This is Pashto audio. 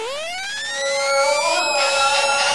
پرمختګ باید په هره کورنۍ کي احساس سي.